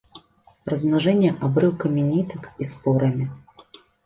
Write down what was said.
Размнажэнне абрыўкамі нітак і спорамі.